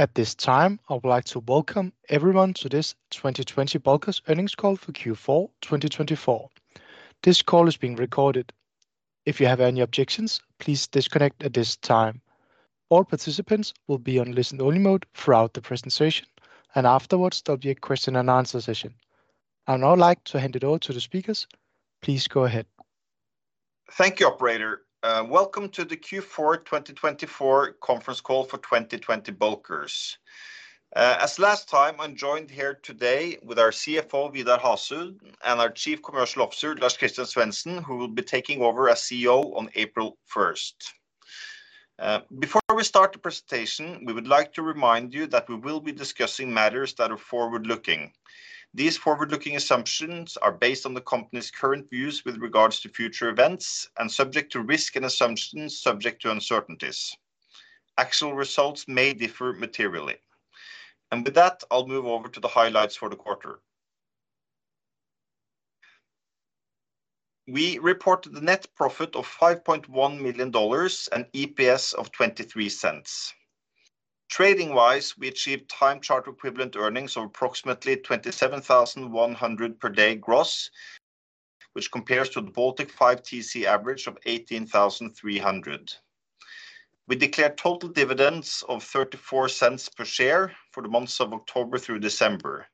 At this time, I would like to welcome everyone to this 2020 Bulkers earnings call for Q4 2024. This call is being recorded. If you have any objections, please disconnect at this time. All participants will be on listen-only mode throughout the presentation, and afterwards, there'll be a question-and-answer session. I'd now like to hand it over to the speakers. Please go ahead. Thank you, Operator. Welcome to the Q4 2024 conference call for 2020 Bulkers. As last time, I'm joined here today with our CFO, Vidar Hasund, and our Chief Commercial Officer, Lars-Christian Svensen, who will be taking over as CEO on April 1st. Before we start the presentation, we would like to remind you that we will be discussing matters that are forward-looking. These forward-looking assumptions are based on the company's current views with regards to future events and subject to risk and assumptions subject to uncertainties. Actual results may differ materially. And with that, I'll move over to the highlights for the quarter. We reported a net profit of $5.1 million and EPS of $0.23. Trading-wise, we achieved time charter equivalent earnings of approximately 27,100 per day gross, which compares to the Baltic 5TC average of 18,300. We declared total dividends of $0.34 per share for the months of October through December.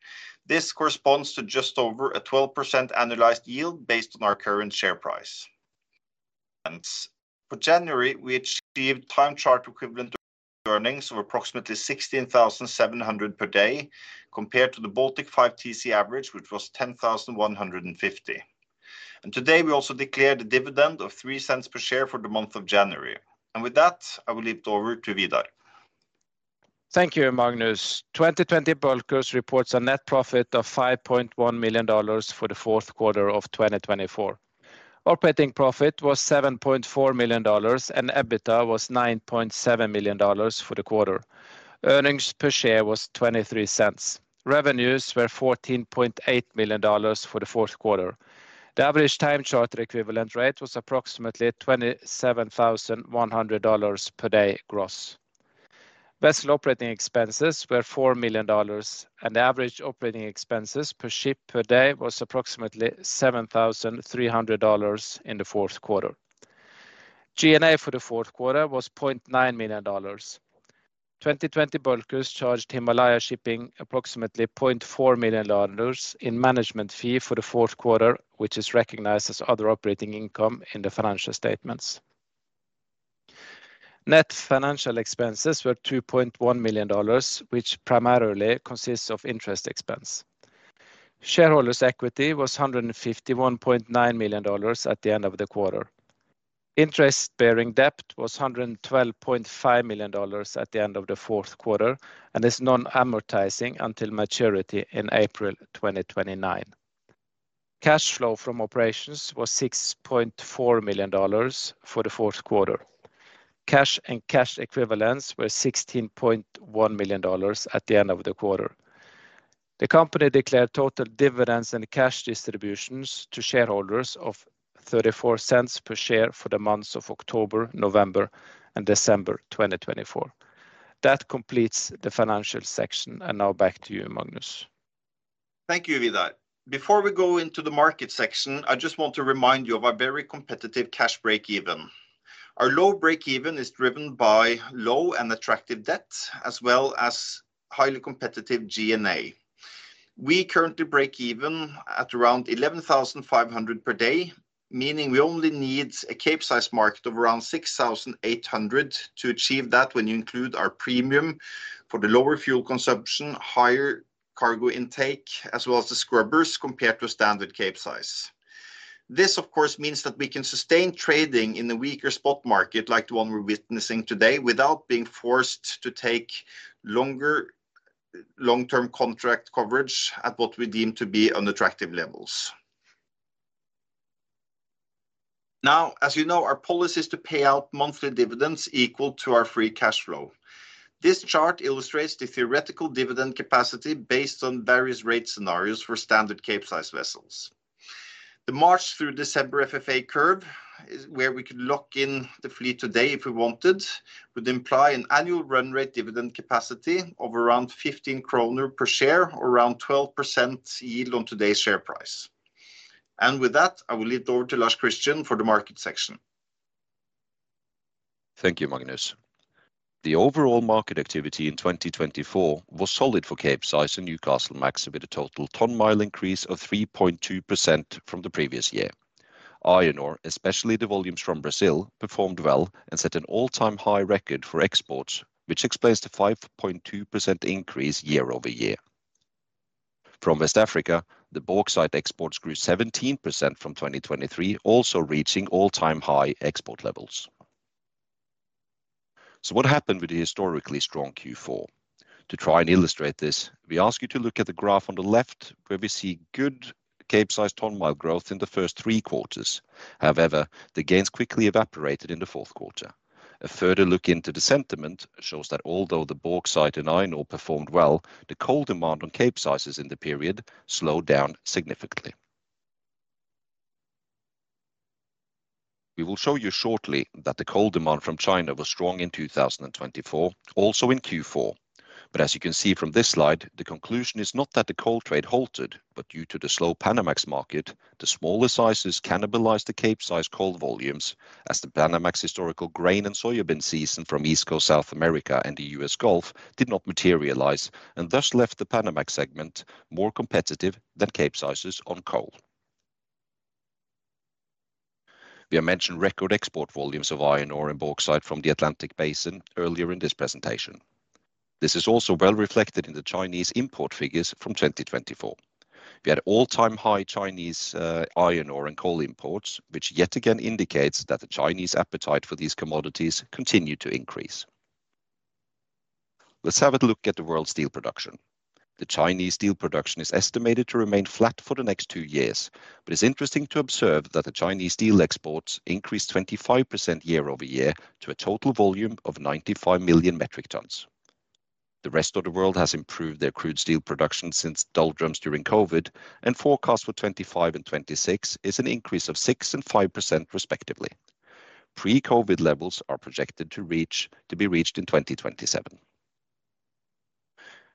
This corresponds to just over a 12% annualized yield based on our current share price. For January, we achieved time charter equivalent earnings of approximately 16,700 per day compared to the Baltic 5TC average, which was 10,150. And today, we also declared a dividend of $0.03 per share for the month of January. And with that, I will hand it over to Vidar. Thank you, Magnus. 2020 Bulkers reports a net profit of $5.1 million for the fourth quarter of 2024. Operating profit was $7.4 million, and EBITDA was $9.7 million for the quarter. Earnings per share was $0.23. Revenues were $14.8 million for the fourth quarter. The average time charter equivalent rate was approximately $27,100 per day gross. Vessel operating expenses were $4 million, and the average operating expenses per ship per day was approximately $7,300 in the fourth quarter. G&A for the fourth quarter was $0.9 million. 2020 Bulkers charged Himalaya Shipping approximately $0.4 million in management fee for the fourth quarter, which is recognized as other operating income in the financial statements. Net financial expenses were $2.1 million, which primarily consists of interest expense. Shareholders' equity was $151.9 million at the end of the quarter. Interest-bearing debt was $112.5 million at the end of the fourth quarter and is non-amortizing until maturity in April 2029. Cash flow from operations was $6.4 million for the fourth quarter. Cash and cash equivalents were $16.1 million at the end of the quarter. The company declared total dividends and cash distributions to shareholders of $0.34 per share for the months of October, November, and December 2024. That completes the financial section. And now back to you, Magnus. Thank you, Vidar. Before we go into the market section, I just want to remind you of our very competitive cash break-even. Our low break-even is driven by low and attractive debt, as well as highly competitive G&A. We currently break even at around $11,500 per day, meaning we only need a Capesize market of around $6,800 to achieve that when you include our premium for the lower fuel consumption, higher cargo intake, as well as the scrubbers compared to a standard Capesize. This, of course, means that we can sustain trading in a weaker spot market like the one we're witnessing today without being forced to take longer long-term contract coverage at what we deem to be unattractive levels. Now, as you know, our policy is to pay out monthly dividends equal to our free cash flow. This chart illustrates the theoretical dividend capacity based on various rate scenarios for standard Capesize vessels. The March through December FFA curve, where we could lock in the fleet today if we wanted, would imply an annual run rate dividend capacity of around 15 kroner per share, or around 12% yield on today's share price. With that, I will leave it over to Lars-Christian for the market section. Thank you, Magnus. The overall market activity in 2024 was solid for Capesize and Newcastlemax, with a total ton-mile increase of 3.2% from the previous year. Iron ore, especially the volumes from Brazil, performed well and set an all-time high record for exports, which explains the 5.2% increase year over year. From West Africa, the bauxite exports grew 17% from 2023, also reaching all-time high export levels. So what happened with the historically strong Q4? To try and illustrate this, we ask you to look at the graph on the left, where we see good Capesize ton-mile growth in the first three quarters. However, the gains quickly evaporated in the fourth quarter. A further look into the sentiment shows that although the bauxite and iron ore performed well, the coal demand on Capesizes in the period slowed down significantly. We will show you shortly that the coal demand from China was strong in 2024, also in Q4. But as you can see from this slide, the conclusion is not that the coal trade halted, but due to the slow Panamax market, the smaller sizes cannibalized the Capesize coal volumes, as the Panamax historical grain and soybean season from East Coast South America and the US Gulf did not materialize and thus left the Panamax segment more competitive than Capesize on coal. We have mentioned record export volumes of iron ore and bauxite from the Atlantic Basin earlier in this presentation. This is also well reflected in the Chinese import figures from 2024. We had all-time high Chinese iron ore and coal imports, which yet again indicates that the Chinese appetite for these commodities continued to increase. Let's have a look at the world steel production. The Chinese steel production is estimated to remain flat for the next two years, but it's interesting to observe that the Chinese steel exports increased 25% year over year to a total volume of 95 million metric tons. The rest of the world has improved their crude steel production since doldrums during COVID, and forecasts for 2025 and 2026 is an increase of 6% and 5% respectively. Pre-COVID levels are projected to be reached in 2027.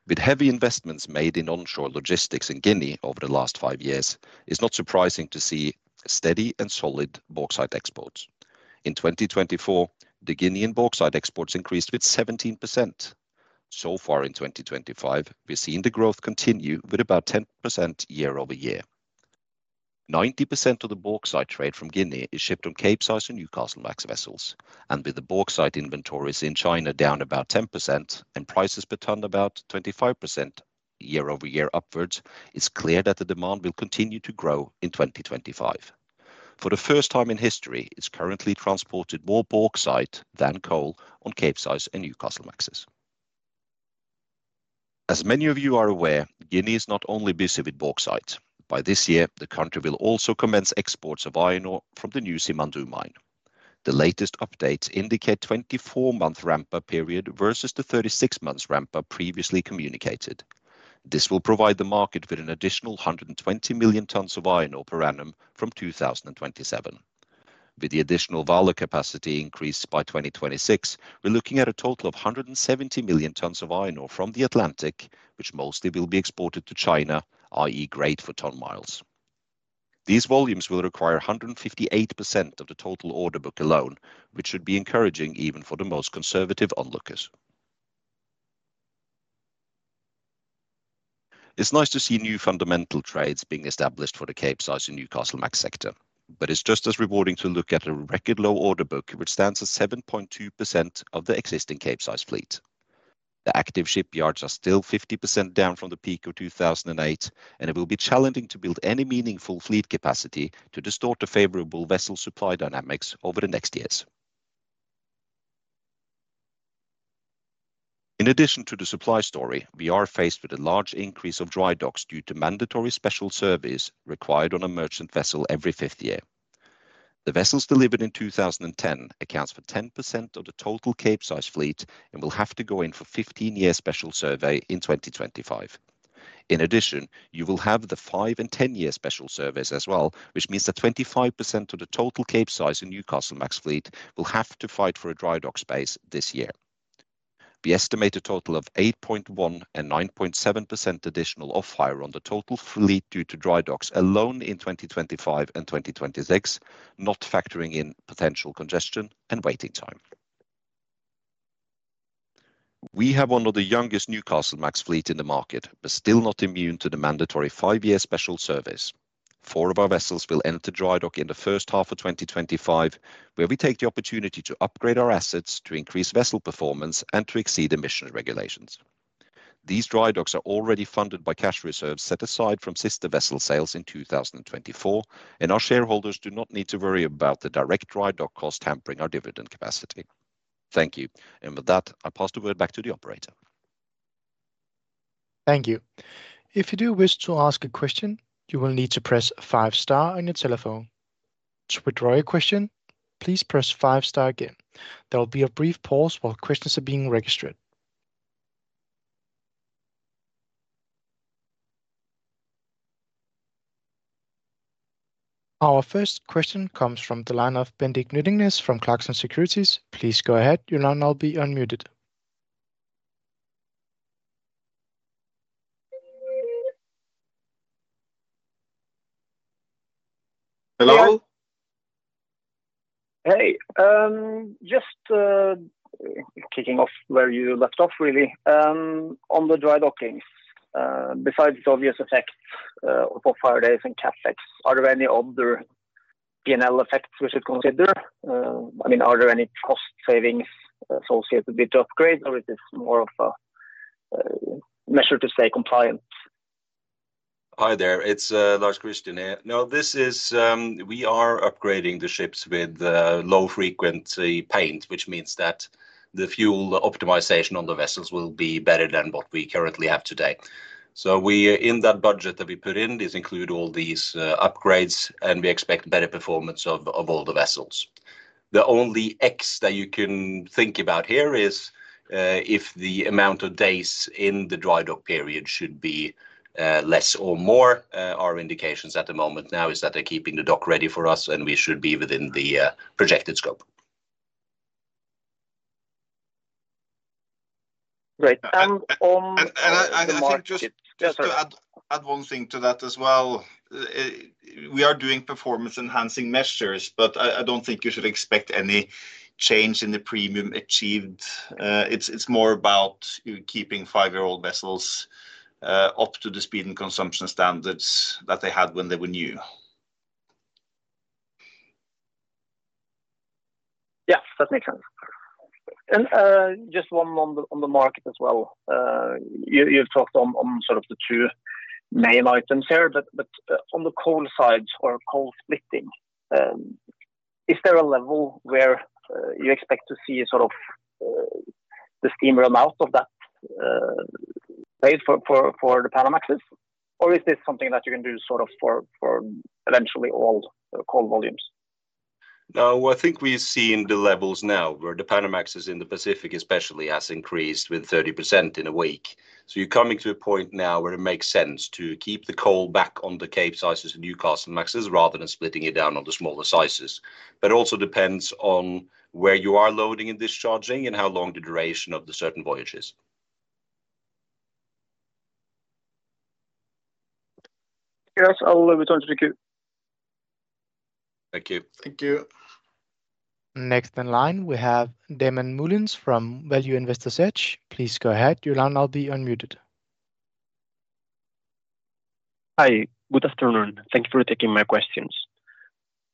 With heavy investments made in onshore logistics in Guinea over the last five years, it's not surprising to see steady and solid bauxite exports. In 2024, the Guinean bauxite exports increased with 17%. So far in 2025, we're seeing the growth continue with about 10% year over year. 90% of the bauxite trade from Guinea is shipped on Capesize and Newcastlemax vessels, and with the bauxite inventories in China down about 10% and prices per ton about 25% year over year upwards, it's clear that the demand will continue to grow in 2025. For the first time in history, it's currently transported more bauxite than coal on Capesize and Newcastlemaxes. As many of you are aware, Guinea is not only busy with bauxite. By this year, the country will also commence exports of iron ore from the new Simandou mine. The latest updates indicate a 24-month ramp-up period versus the 36-month ramp-up previously communicated. This will provide the market with an additional 120 million tons of iron ore per annum from 2027. With the additional volume capacity increased by 2026, we're looking at a total of 170 million tons of iron ore from the Atlantic, which mostly will be exported to China, i.e., great for ton-miles. These volumes will require 158% of the total order book alone, which should be encouraging even for the most conservative onlookers. It's nice to see new fundamental trades being established for the Capesize and Newcastlemax sector, but it's just as rewarding to look at a record low order book, which stands at 7.2% of the existing Capesize fleet. The active shipyards are still 50% down from the peak of 2008, and it will be challenging to build any meaningful fleet capacity to distort the favorable vessel supply dynamics over the next years. In addition to the supply story, we are faced with a large increase of dry docks due to mandatory special survey required on a merchant vessel every fifth year. The vessels delivered in 2010 accounts for 10% of the total Capesize fleet and will have to go in for a 15-year special survey in 2025. In addition, you will have the 5 and 10-year special surveys as well, which means that 25% of the total Capesize and Newcastlemax fleet will have to fight for a dry dock space this year. We estimate a total of 8.1% and 9.7% additional off-hire on the total fleet due to dry docks alone in 2025 and 2026, not factoring in potential congestion and waiting time. We have one of the youngest Newcastlemax fleets in the market, but still not immune to the mandatory five-year special survey. Four of our vessels will enter dry dock in the first half of 2025, where we take the opportunity to upgrade our assets to increase vessel performance and to exceed emissions regulations. These dry docks are already funded by cash reserves set aside from sister vessel sales in 2024, and our shareholders do not need to worry about the direct dry dock cost hampering our dividend capacity. Thank you. And with that, I pass the word back to the Operator. Thank you. If you do wish to ask a question, you will need to press five-star on your telephone. To withdraw your question, please press five star again. There will be a brief pause while questions are being registered. Our first question comes from the line of Bendik Nyttingnes from Clarksons Securities. Please go ahead. Your line will be unmuted. Hello? Hey. Just kicking off where you left off, really, on the dry docking. Besides the obvious effects of off-hire days and CapEx, are there any other P&L effects we should consider? I mean, are there any cost savings associated with the upgrade, or is this more of a measure to stay compliant? Hi there. It's Lars-Christian here. No, this is we are upgrading the ships with low-friction paint, which means that the fuel optimization on the vessels will be better than what we currently have today. So, in that budget that we put in, this includes all these upgrades, and we expect better performance of all the vessels. The only X that you can think about here is if the amount of days in the dry dock period should be less or more. Our indications at the moment now is that they're keeping the dock ready for us, and we should be within the projected scope. Great. And I think just to add one thing to that as well, we are doing performance-enhancing measures, but I don't think you should expect any change in the premium achieved. It's more about keeping five-year-old vessels up to the speed and consumption standards that they had when they were new. Yeah, that makes sense. And just one on the market as well. You've talked on sort of the two main items here, but on the coal side or coal splitting, is there a level where you expect to see sort of the steam run out of that space for the Panamaxes, or is this something that you can do sort of for eventually all coal volumes? No, I think we've seen the levels now where the Panamaxes in the Pacific especially has increased with 30% in a week. So you're coming to a point now where it makes sense to keep the coal back on the Capesizes and Newcastlemaxes rather than splitting it down on the smaller sizes. But it also depends on where you are loading and discharging and how long the duration of the certain voyages. Yes, I'll turn it over to the queue. Thank you. Thank you. Next in line, we have Damian Mullins from Value Investor's Edge. Please go ahead. Your line will be unmuted. Hi, good afternoon. Thank you for taking my questions.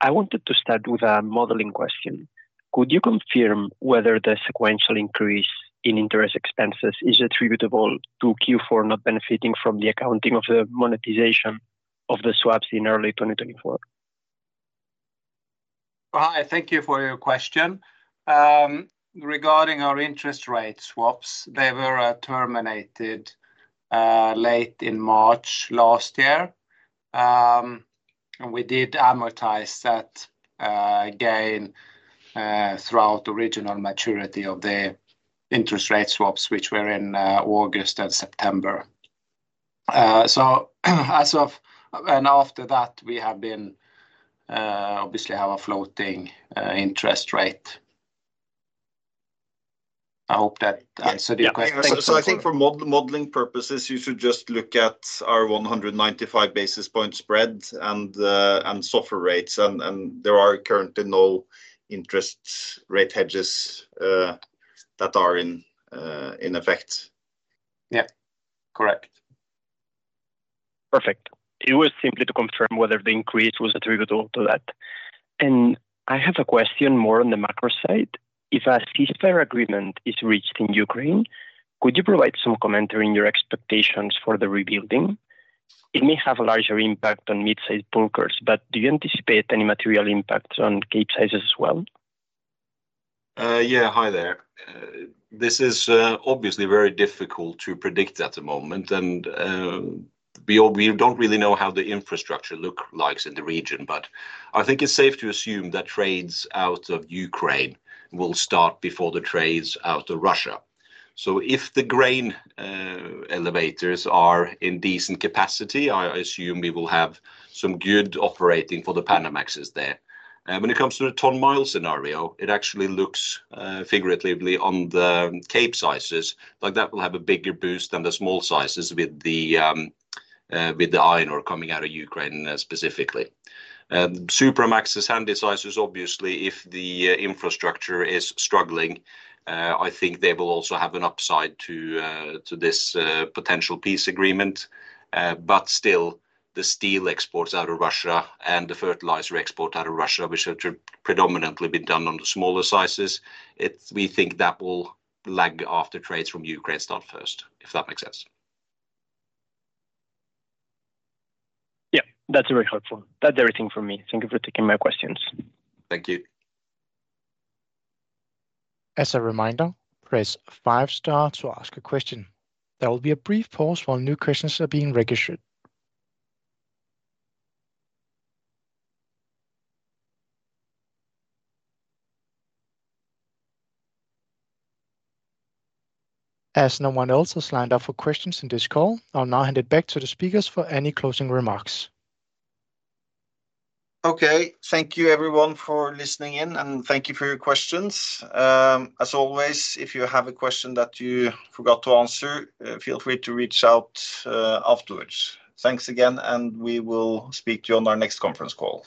I wanted to start with a modeling question. Could you confirm whether the sequential increase in interest expenses is attributable to Q4 not benefiting from the accounting of the monetization of the swaps in early 2024? Hi, thank you for your question. Regarding our interest rate swaps, they were terminated late in March last year. We did amortize that gain throughout the remaining maturity of the interest rate swaps, which were in August and September. As of and after that, we have obviously had a floating interest rate. I hope that answered your question. I think for modeling purposes, you should just look at our 195 basis points spread and SOFR rates, and there are currently no interest rate hedges that are in effect. Yeah, correct. Perfect. It was simply to confirm whether the increase was attributable to that. And I have a question more on the macro side. If a ceasefire agreement is reached in Ukraine, could you provide some commentary on your expectations for the rebuilding? It may have a larger impact on mid-sized bulkers, but do you anticipate any material impact on Capesize as well? Yeah, hi there. This is obviously very difficult to predict at the moment, and we don't really know how the infrastructure looks like in the region, but I think it's safe to assume that trades out of Ukraine will start before the trades out of Russia. So if the grain elevators are in decent capacity, I assume we will have some good operating for the Panamaxes there. When it comes to the ton-mile scenario, it actually looks favorable on the Capesize, but that will have a bigger boost than the small sizes with the iron ore coming out of Ukraine specifically. Supramaxes and the sizes, obviously, if the infrastructure is struggling, I think they will also have an upside to this potential peace agreement. But still, the steel exports out of Russia and the fertilizer export out of Russia, which have predominantly been done on the smaller sizes, we think that will lag after trades from Ukraine start first, if that makes sense. Yeah, that's very helpful. That's everything from me. Thank you for taking my questions. Thank you. As a reminder, press five star to ask a question. There will be a brief pause while new questions are being registered. As no one else has lined up for questions in this call, I'll now hand it back to the speakers for any closing remarks. Okay, thank you everyone for listening in, and thank you for your questions. As always, if you have a question that you forgot to answer, feel free to reach out afterwards. Thanks again, and we will speak to you on our next conference call.